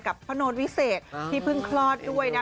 พระโน้ตวิเศษที่เพิ่งคลอดด้วยนะ